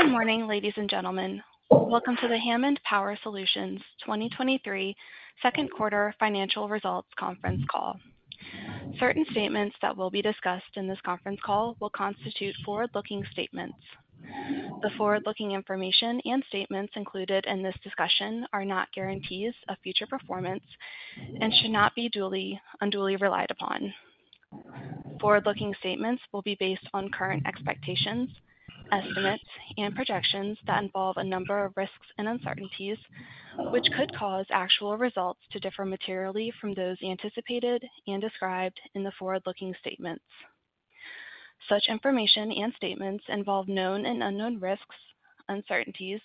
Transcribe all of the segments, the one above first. Good morning, ladies and gentlemen. Welcome to the Hammond Power Solutions 2023 Second Quarter Financial Results Conference Call. Certain statements that will be discussed in this conference call will constitute forward-looking statements. The forward-looking information and statements included in this discussion are not guarantees of future performance and should not be unduly relied upon. Forward-looking statements will be based on current expectations, estimates, and projections that involve a number of risks and uncertainties, which could cause actual results to differ materially from those anticipated and described in the forward-looking statements. Such information and statements involve known and unknown risks, uncertainties,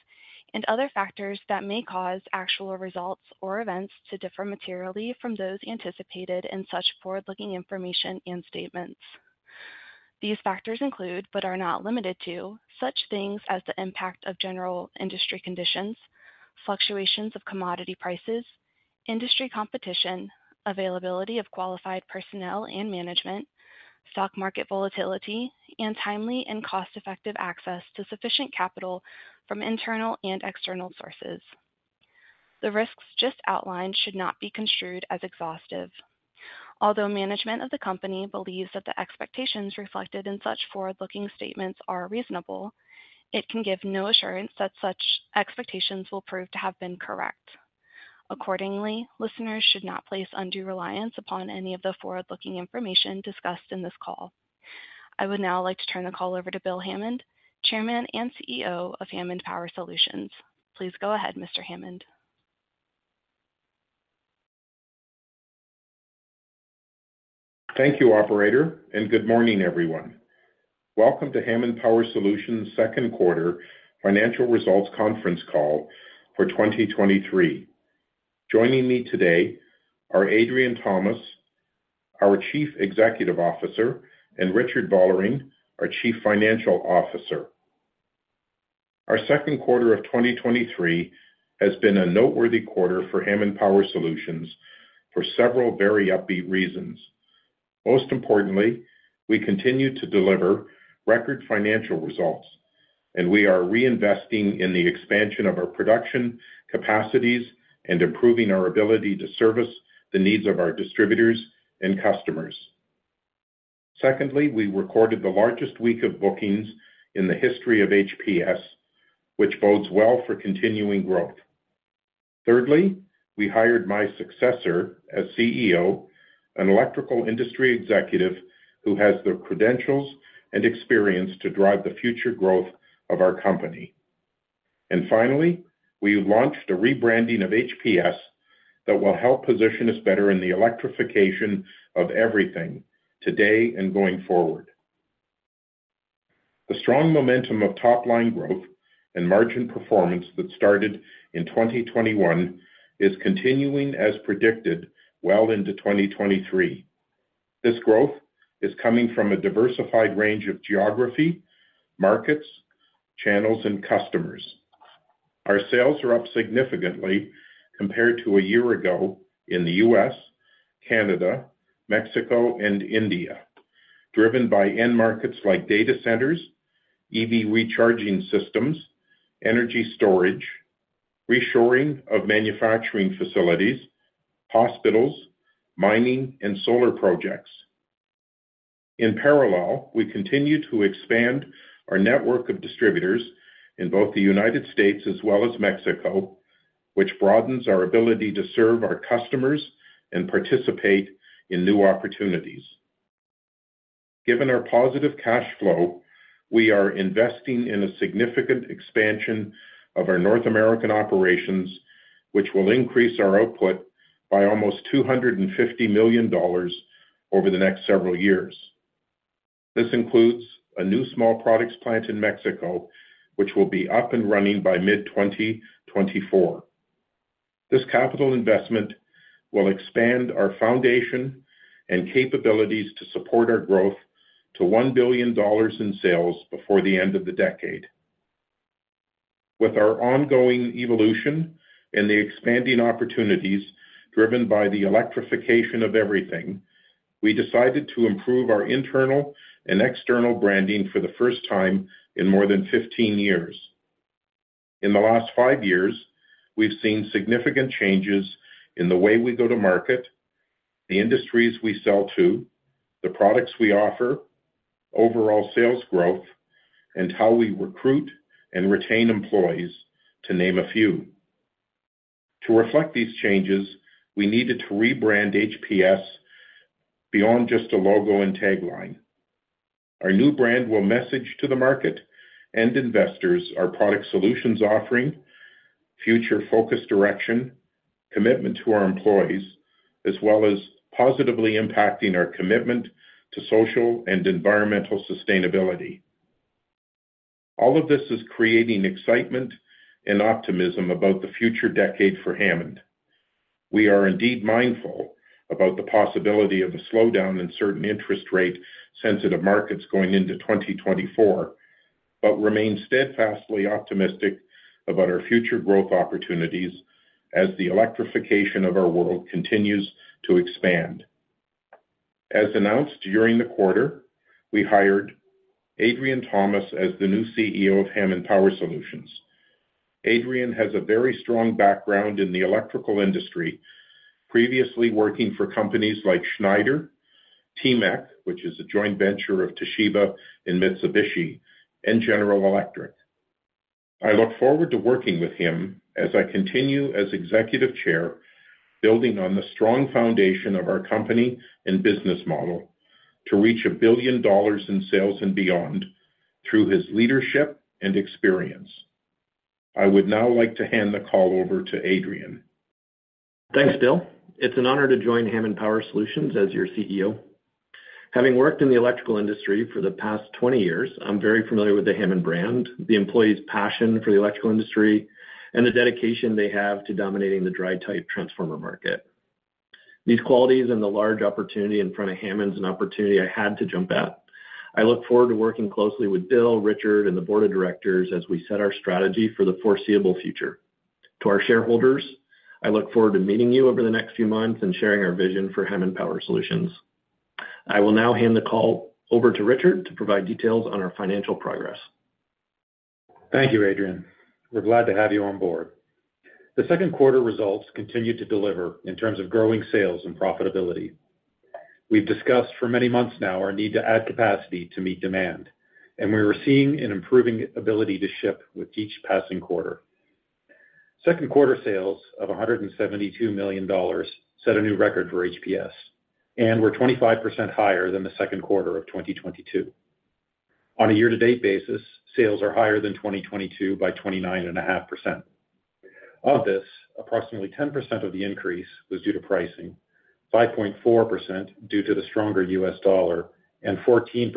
and other factors that may cause actual results or events to differ materially from those anticipated in such forward-looking information and statements. These factors include, but are not limited to, such things as the impact of general industry conditions, fluctuations of commodity prices, industry competition, availability of qualified personnel and management, stock market volatility, and timely and cost-effective access to sufficient capital from internal and external sources. The risks just outlined should not be construed as exhaustive. Although management of the company believes that the expectations reflected in such forward-looking statements are reasonable, it can give no assurance that such expectations will prove to have been correct. Accordingly, listeners should not place undue reliance upon any of the forward-looking information discussed in this call. I would now like to turn the call over to Bill Hammond, Chairman and CEO of Hammond Power Solutions. Please go ahead, Mr. Hammond. Thank you, operator, and good morning, everyone. Welcome to Hammond Power Solutions Second Quarter Financial Results Conference Call for 2023. Joining me today are Adrian Thomas, our Chief Executive Officer, and Richard Vollering, our Chief Financial Officer. Our second quarter of 2023 has been a noteworthy quarter for Hammond Power Solutions for several very upbeat reasons. Most importantly, we continue to deliver record financial results, and we are reinvesting in the expansion of our production capacities and improving our ability to service the needs of our distributors and customers. Secondly, we recorded the largest week of bookings in the history of HPS, which bodes well for continuing growth. Thirdly, we hired my successor as CEO, an electrical industry executive who has the credentials and experience to drive the future growth of our company. Finally, we launched a rebranding of HPS that will help position us better in the electrification of everything today and going forward. The strong momentum of top-line growth and margin performance that started in 2021 is continuing as predicted, well into 2023. This growth is coming from a diversified range of geography, markets, channels, and customers. Our sales are up significantly compared to a year ago in the U.S., Canada, Mexico, and India, driven by end markets like data centers, EV recharging systems, energy storage, reshoring of manufacturing facilities, hospitals, mining, and solar projects. In parallel, we continue to expand our network of distributors in both the United States as well as Mexico, which broadens our ability to serve our customers and participate in new opportunities. Given our positive cash flow, we are investing in a significant expansion of our North American operations, which will increase our output by almost $250 million over the next several years. This includes a new small products plant in Mexico, which will be up and running by mid-2024. This capital investment will expand our foundation and capabilities to support our growth to $1 billion in sales before the end of the decade. With our ongoing evolution and the expanding opportunities driven by the electrification of everything, we decided to improve our internal and external branding for the first time in more than 15 years. In the last five years, we've seen significant changes in the way we go to market, the industries we sell to, the products we offer, overall sales growth, and how we recruit and retain employees, to name a few. To reflect these changes, we needed to rebrand HPS beyond just a logo and tagline. Our new brand will message to the market and investors our product solutions offering, future-focused direction, commitment to our employees, as well as positively impacting our commitment to social and environmental sustainability. All of this is creating excitement and optimism about the future decade for Hammond. We are indeed mindful about the possibility of a slowdown in certain interest rate-sensitive markets going into 2024, but remain steadfastly optimistic about our future growth opportunities as the electrification of our world continues to expand. As announced during the quarter, we hired Adrian Thomas as the new CEO of Hammond Power Solutions. Adrian has a very strong background in the electrical industry, previously working for companies like Schneider, TMEIC, which is a joint venture of Toshiba and Mitsubishi, and General Electric. I look forward to working with him as I continue as Executive Chair, building on the strong foundation of our company and business model to reach $1 billion in sales and beyond through his leadership and experience. I would now like to hand the call over to Adrian. Thanks, Bill. It's an honor to join Hammond Power Solutions as your CEO. Having worked in the electrical industry for the past 20 years, I'm very familiar with the Hammond brand, the employees' passion for the electrical industry, and the dedication they have to dominating the dry-type transformer market. These qualities and the large opportunity in front of Hammond is an opportunity I had to jump at. I look forward to working closely with Bill, Richard, and the board of directors as we set our strategy for the foreseeable future. To our shareholders, I look forward to meeting you over the next few months and sharing our vision for Hammond Power Solutions. I will now hand the call over to Richard to provide details on our financial progress. Thank you, Adrian. We're glad to have you on board. The second quarter results continued to deliver in terms of growing sales and profitability. We've discussed for many months now our need to add capacity to meet demand, and we were seeing an improving ability to ship with each passing quarter. Second quarter sales of $172 million set a new record for HPS and were 25% higher than the second quarter of 2022. On a year-to-date basis, sales are higher than 2022 by 29.5%. Of this, approximately 10% of the increase was due to pricing, 5.4% due to the stronger U.S. dollar, and 14%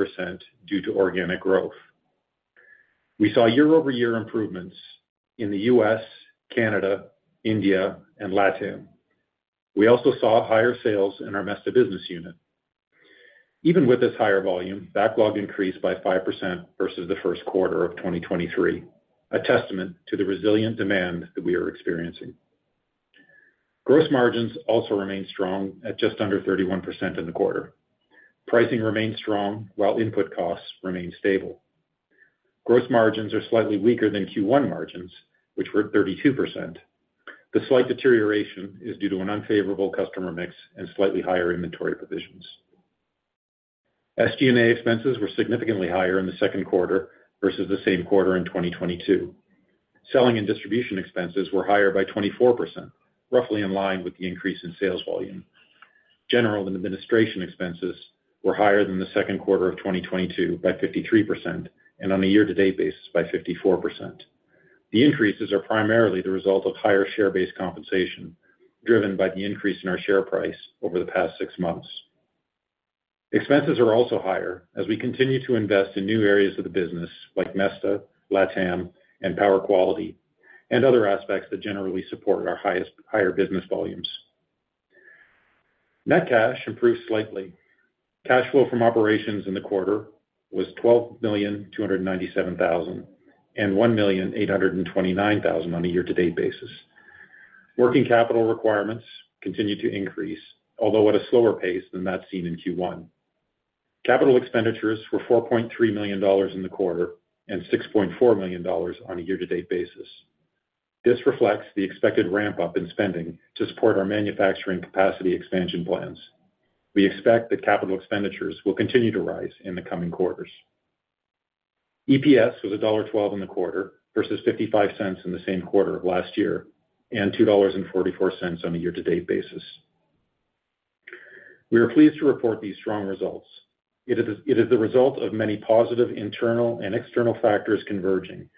due to organic growth. We saw year-over-year improvements in the U.S., Canada, India, and LATAM. We also saw higher sales in our Mesta business unit. Even with this higher volume, backlog increased by 5% versus the first quarter of 2023, a testament to the resilient demand that we are experiencing. Gross margins also remained strong at just under 31% in the quarter. Pricing remained strong, while input costs remained stable. Gross margins are slightly weaker than Q1 margins, which were 32%. The slight deterioration is due to an unfavorable customer mix and slightly higher inventory positions. SG&A expenses were significantly higher in the second quarter versus the same quarter in 2022. Selling and distribution expenses were higher by 24%, roughly in line with the increase in sales volume. General and administration expenses were higher than the second quarter of 2022 by 53%, and on a year-to-date basis, by 54%. The increases are primarily the result of higher share-based compensation, driven by the increase in our share price over the past six months. Expenses are also higher as we continue to invest in new areas of the business, like Mesta, LATAM, and Power Quality, and other aspects that generally support our highest- higher business volumes. Net cash improved slightly. Cash flow from operations in the quarter was $12,297,000 and $1,829,000 on a year-to-date basis. Working capital requirements continued to increase, although at a slower pace than that seen in Q1. Capital expenditures were $4.3 million in the quarter and $6.4 million on a year-to-date basis. This reflects the expected ramp-up in spending to support our manufacturing capacity expansion plans. We expect that capital expenditures will continue to rise in the coming quarters. EPS was $1.12 in the quarter versus $0.55 in the same quarter of last year, and $2.44 on a year-to-date basis. We are pleased to report these strong results. It is the result of many positive internal and external factors converging,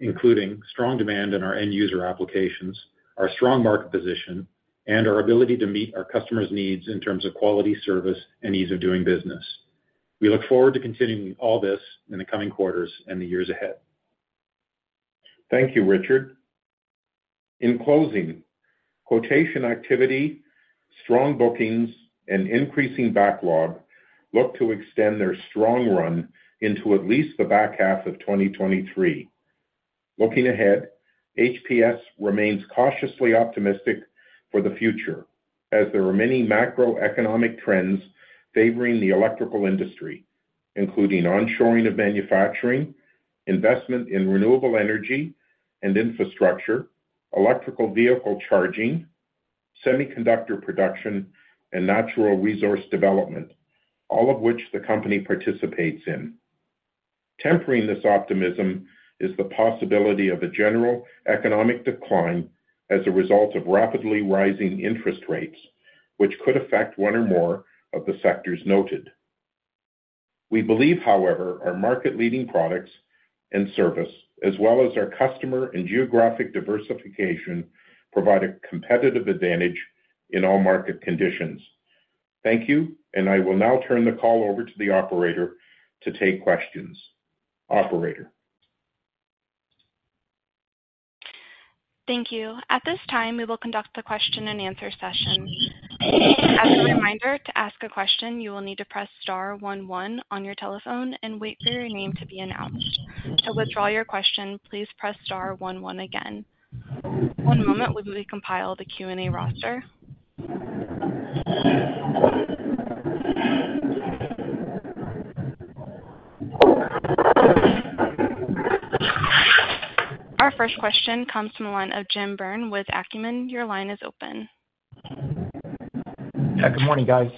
including strong demand in our end-user applications, our strong market position, and our ability to meet our customers' needs in terms of quality, service, and ease of doing business. We look forward to continuing all this in the coming quarters and the years ahead. Thank you, Richard. In closing, quotation activity, strong bookings, and increasing backlog look to extend their strong run into at least the back half of 2023. Looking ahead, HPS remains cautiously optimistic for the future, as there are many macroeconomic trends favoring the electrical industry, including onshoring of manufacturing, investment in renewable energy and infrastructure, electric vehicle charging, semiconductor production, and natural resource development, all of which the company participates in. Tempering this optimism is the possibility of a general economic decline as a result of rapidly rising interest rates, which could affect one or more of the sectors noted. We believe, however, our market-leading products and service, as well as our customer and geographic diversification, provide a competitive advantage in all market conditions. Thank you, and I will now turn the call over to the operator to take questions. Operator? Thank you. At this time, we will conduct the question-and-answer session. As a reminder, to ask a question, you will need to press star 1, 1 on your telephone and wait for your name to be announced. To withdraw your question, please press star 1, 1 again. One moment while we compile the Q&A roster. Our first question comes from the line of Jim Byrne with Acumen. Your line is open. Good morning, guys.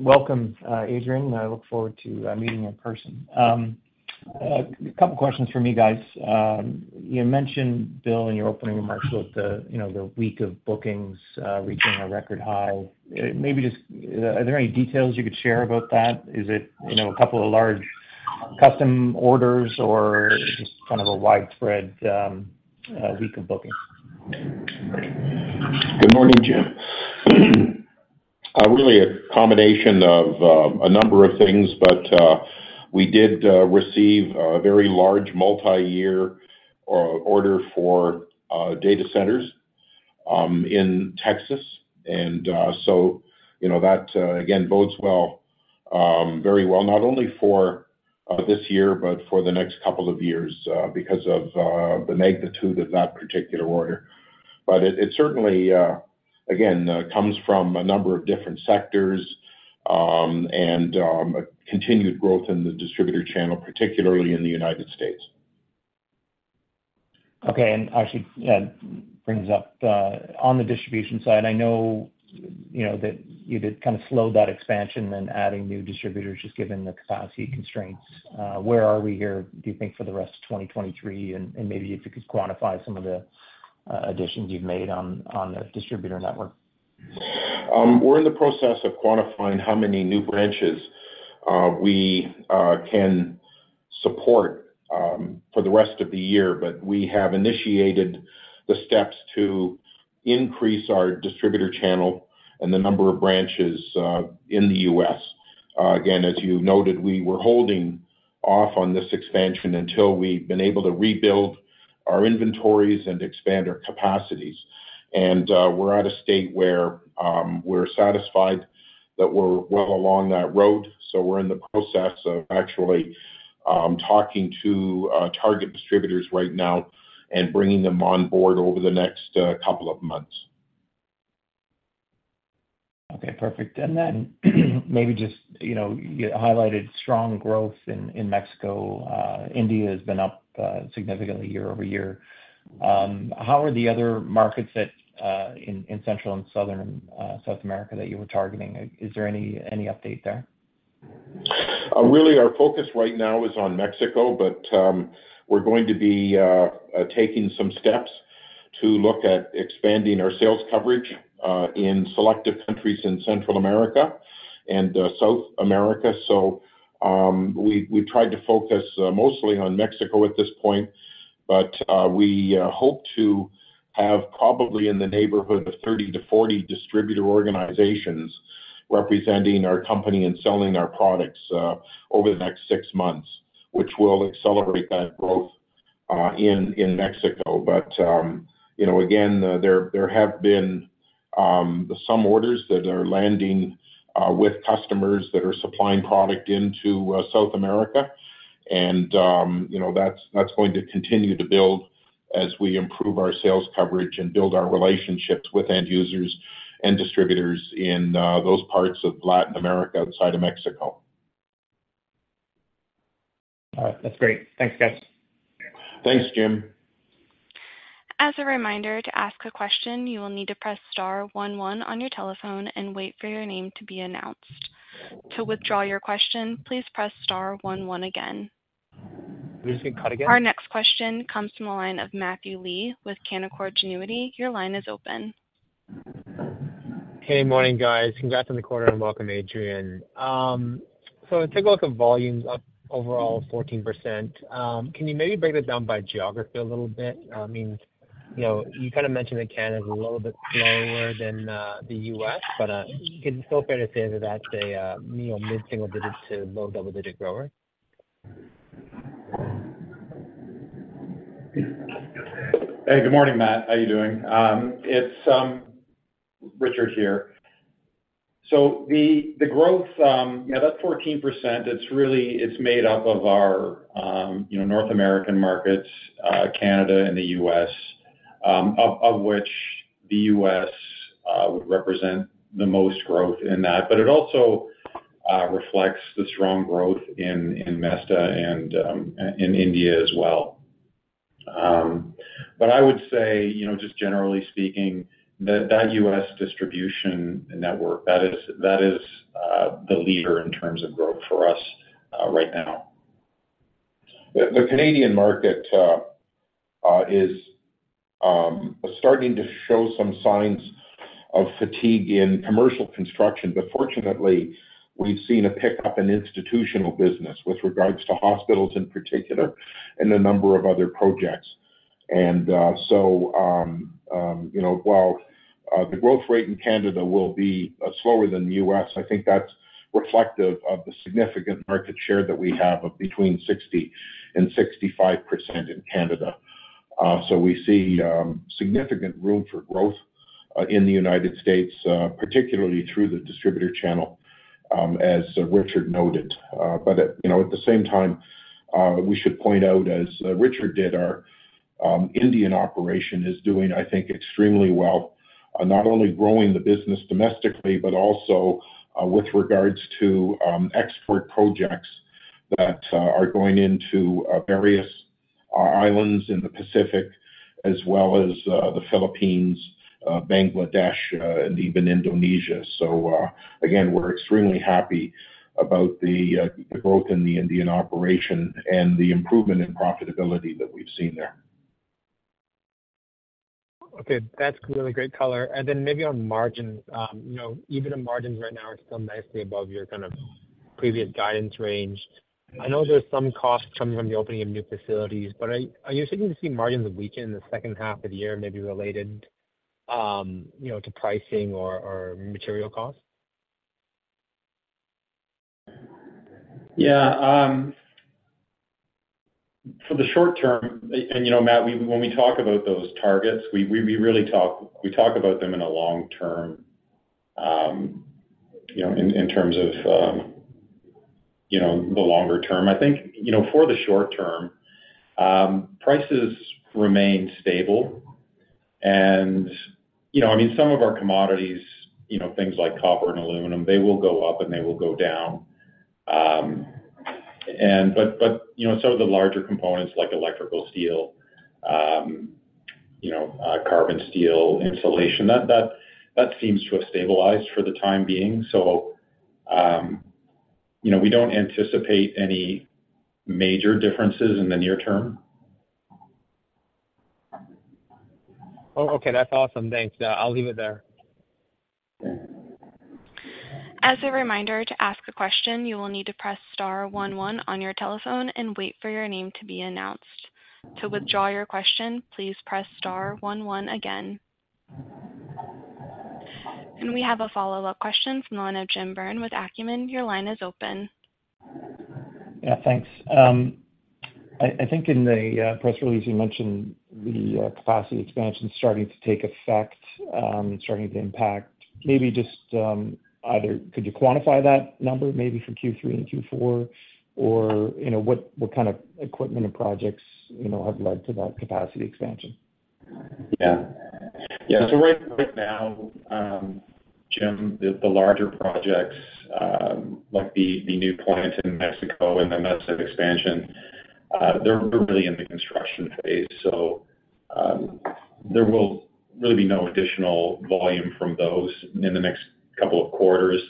Welcome, Adrian. I look forward to meeting in person. A couple questions for me, guys. You mentioned, Bill, in your opening remarks about the, you know, the week of bookings, reaching a record high. Maybe just... Are there any details you could share about that? Is it, you know, a couple of large custom orders or just kind of a widespread, week of bookings? Good morning, Jim. Really a combination of a number of things, but we did receive a very large multi-year order for data centers in Texas. You know, that again, bodes well, very well, not only for this year, but for the next couple of years, because of the magnitude of that particular order. It, it certainly again, comes from a number of different sectors, and a continued growth in the distributor channel, particularly in the United States. Okay. Actually, that brings up, on the distribution side, I know, you know, that you did kind of slow that expansion and adding new distributors, just given the capacity constraints. Where are we here, do you think, for the rest of 2023? Maybe if you could quantify some of the additions you've made on, on the distributor network. We're in the process of quantifying how many new branches we can support for the rest of the year. We have initiated the steps to increase our distributor channel and the number of branches in the U.S. Again, as you noted, we were holding off on this expansion until we've been able to rebuild our inventories and expand our capacities. We're at a state where we're satisfied that we're well along that road. We're in the process of actually talking to target distributors right now and bringing them on board over the next couple of months. Okay, perfect. Maybe just, you know, you highlighted strong growth in Mexico. India has been up significantly year-over-year. How are the other markets that in Central and Southern South America that you were targeting? Is there any, any update there? Really, our focus right now is on Mexico, but we're going to be taking some steps to look at expanding our sales coverage in selective countries in Central America and South America. We, we tried to focus mostly on Mexico at this point, but we hope to have probably in the neighborhood of 30-40 distributor organizations representing our company and selling our products over the next six months, which will accelerate that growth in Mexico. You know, again, there, there have been some orders that are landing with customers that are supplying product into South America. You know, that's, that's going to continue to build as we improve our sales coverage and build our relationships with end users and distributors in those parts of Latin America outside of Mexico. All right. That's great. Thanks, guys. Thanks, Jim. As a reminder, to ask a question, you will need to press star one one on your telephone and wait for your name to be announced. To withdraw your question, please press star one one again. Did you get cut again? Our next question comes from the line of Matthew Lee with Canaccord Genuity. Your line is open. Hey, morning, guys. Congrats on the quarter, welcome, Adrian. I take a look at volumes up overall 14%. Can you maybe break it down by geography a little bit? I mean, you know, you kind of mentioned that Canada is a little bit slower than the U.S., but you can still fair to say that that's a, you know, mid-single digit to low double-digit grower? Hey, good morning, Matt. How are you doing? It's Richard here. The growth, yeah, that 14%, it's really, it's made up of our, you know, North American markets, Canada and the US, of which the US would represent the most growth in that. It also reflects the strong growth in Mesta and in India as well. I would say, you know, just generally speaking, that that US distribution network, that is, that is the leader in terms of growth for us right now. The Canadian market, is starting to show some signs of fatigue in commercial construction, but fortunately, we've seen a pickup in institutional business with regards to hospitals in particular and a number of other projects. You know, while the growth rate in Canada will be slower than the U.S., I think that's reflective of the significant market share that we have of between 60% and 65% in Canada. We see significant room for growth in the United States, particularly through the distributor channel, as Richard noted. You know, at the same time, we should point out, as Richard did, our Indian operation is doing, I think, extremely well, not only growing the business domestically, but also, with regards to, export projects that are going into, various islands in the Pacific as well as, the Philippines, Bangladesh, and even Indonesia. Again, we're extremely happy about the growth in the Indian operation and the improvement in profitability that we've seen there. Okay, that's really great color. Then maybe on margins, you know, even the margins right now are still nicely above your kind of previous guidance range. I know there's some costs coming from the opening of new facilities, are, are you starting to see margins weaken in the second half of the year, maybe related, you know, to pricing or, or material costs? Yeah. For the short term, and, you know, Matt, when we talk about those targets, we, we really talk, we talk about them in a long term, you know, in, in terms of, you know, the longer term. I think, you know, for the short term, prices remain stable and, you know, I mean, some of our commodities, you know, things like copper and aluminum, they will go up and they will go down. You know, some of the larger components, like electrical steel, you know, carbon steel, insulation, that, that, that seems to have stabilized for the time being. You know, we don't anticipate any major differences in the near term. Oh, okay. That's awesome. Thanks. I'll leave it there. As a reminder, to ask a question, you will need to press star one one on your telephone and wait for your name to be announced. To withdraw your question, please press star one one again. We have a follow-up question from the line of Jim Byrne with Acumen. Your line is open. Yeah, thanks. I, I think in the press release you mentioned the capacity expansion starting to take effect, and starting to impact. Maybe just, either could you quantify that number, maybe for Q3 and Q4? Or, you know, what, what kind of equipment and projects, you know, have led to that capacity expansion? Yeah. Yeah, right, right now, Jim, the, the larger projects, like the, the new plant in Mexico and the Mesta expansion, they're really in the construction phase, so there will really be no additional volume from those in the next couple of quarters.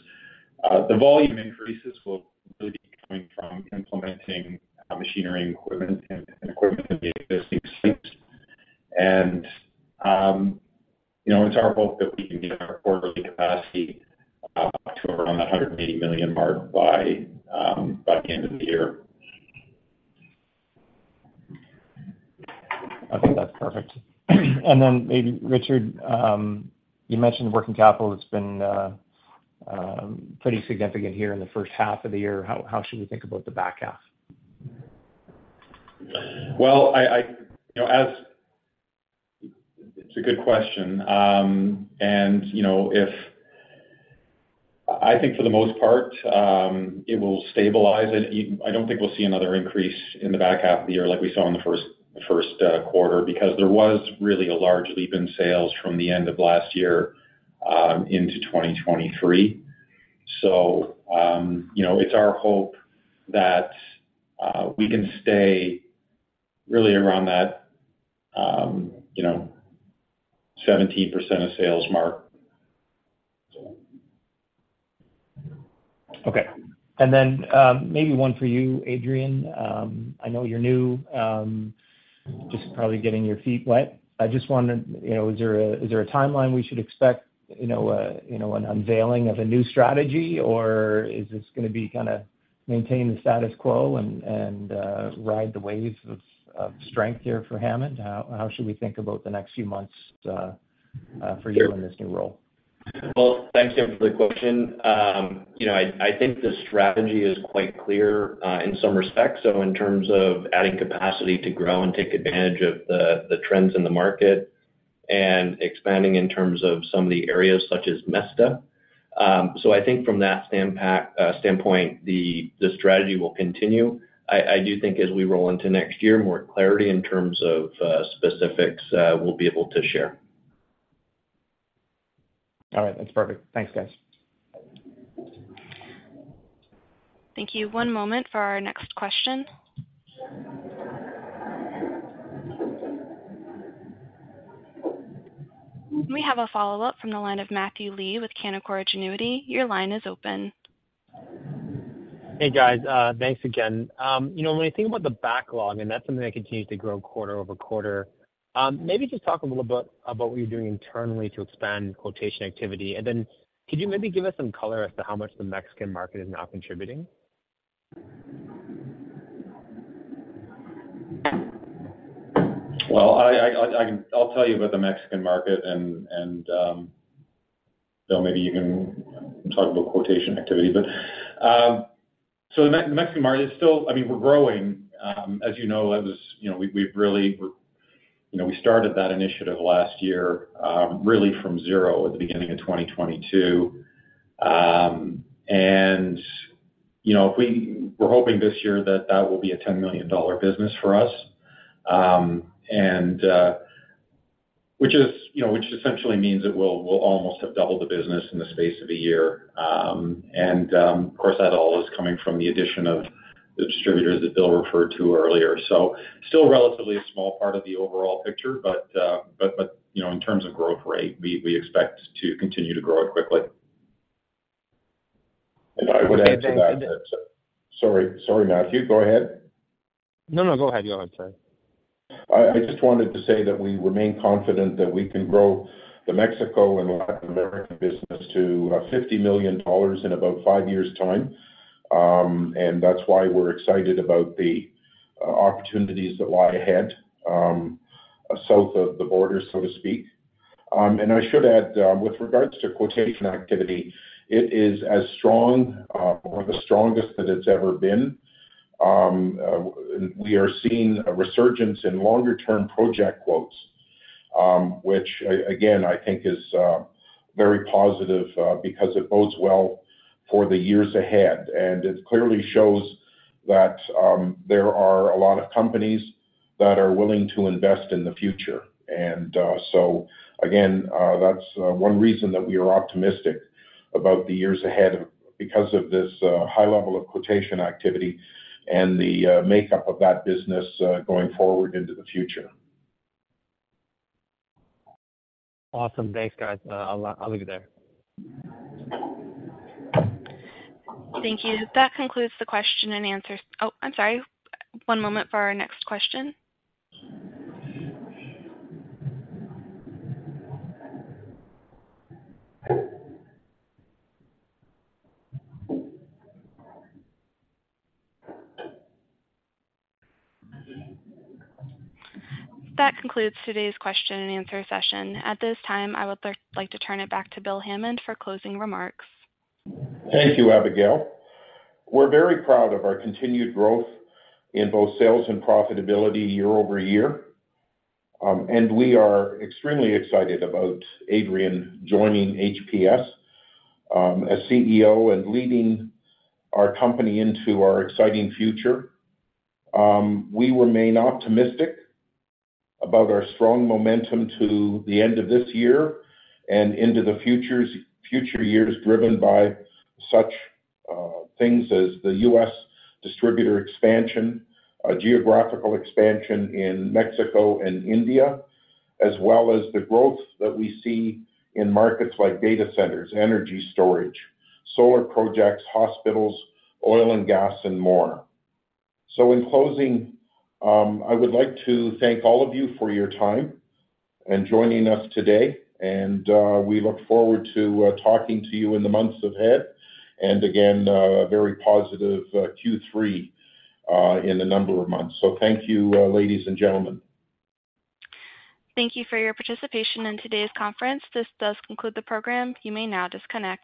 The volume increases will really be coming from implementing machinery and equipment and, and equipment in the existing sites. You know, it's our hope that we can get our quarterly capacity to around the $180 million mark by the end of the year. Okay, that's perfect. Maybe, Richard, you mentioned working capital has been pretty significant here in the first half of the year. How, how should we think about the back half? Well, you know, it's a good question. You know, I think for the most part, it will stabilize, I don't think we'll see another increase in the back half of the year like we saw in the first, first quarter, because there was really a large leap in sales from the end of last year into 2023. You know, it's our hope that we can stay really around that, you know, 17% of sales mark. Okay. Maybe one for you, Adrian. I know you're new, just probably getting your feet wet. I just wondered, you know, is there a, is there a timeline we should expect, you know, a, you know, an unveiling of a new strategy? Or is this gonna be kind of maintain the status quo and, and, ride the waves of, of strength here for Hammond? How, how should we think about the next few months, for you in this new role? Well, thanks, Jim, for the question. You know, I think the strategy is quite clear, in some respects, so in terms of adding capacity to grow and take advantage of the trends in the market and expanding in terms of some of the areas such as Mesta. I think from that standpat standpoint, the strategy will continue. I do think as we roll into next year, more clarity in terms of specifics, we'll be able to share. All right. That's perfect. Thanks, guys. Thank you. One moment for our next question. We have a follow-up from the line of Matthew Lee with Canaccord Genuity. Your line is open. Hey, guys. Thanks again. You know, when I think about the backlog, and that's something that continues to grow quarter-over-quarter, maybe just talk a little bit about what you're doing internally to expand quotation activity? Then could you maybe give us some color as to how much the Mexican market is now contributing? Well, I'll tell you about the Mexican market, and, and, Bill, maybe you can talk about quotation activity. The Mexican market is still... I mean, we're growing. As you know, as, you know, we've, we've really, you know, we started that initiative last year, really from zero at the beginning of 2022. You know, we, we're hoping this year that that will be a $10 million business for us. Which is, you know, which essentially means that we'll, we'll almost have doubled the business in the space of a year. Of course, that all is coming from the addition of the distributor that Bill referred to earlier. Still relatively a small part of the overall picture, but, but, but, you know, in terms of growth rate, we, we expect to continue to grow it quickly. I would add to that, sorry, sorry, Matthew, go ahead. No, no, go ahead. Go ahead, sorry. I, I just wanted to say that we remain confident that we can grow the Mexico and Latin America business to $50 million in about five years' time. That's why we're excited about the opportunities that lie ahead south of the border, so to speak. I should add with regards to quotation activity, it is as strong or the strongest that it's ever been. We are seeing a resurgence in longer-term project quotes, which again, I think is very positive because it bodes well for the years ahead. It clearly shows that there are a lot of companies that are willing to invest in the future. So again, that's one reason that we are optimistic about the years ahead, because of this high level of quotation activity and the makeup of that business going forward into the future. Awesome. Thanks, guys. I'll, I'll leave it there. Thank you. That concludes the question and answer... Oh, I'm sorry. One moment for our next question. That concludes today's question and answer session. At this time, I would like to turn it back to Bill Hammond for closing remarks. Thank you, Abigail. We're very proud of our continued growth in both sales and profitability year-over-year. We are extremely excited about Adrian joining HPS as CEO and leading our company into our exciting future. We remain optimistic about our strong momentum to the end of this year and into future years, driven by such things as the U.S. distributor expansion, a geographical expansion in Mexico and India, as well as the growth that we see in markets like data centers, energy storage, solar projects, hospitals, oil and gas, and more. In closing, I would like to thank all of you for your time and joining us today, and we look forward to talking to you in the months ahead. Again, very positive Q3 in a number of months. Thank you, ladies and gentlemen. Thank you for your participation in today's conference. This does conclude the program. You may now disconnect.